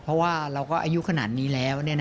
เพราะว่าเราก็อายุขนาดนี้แล้ว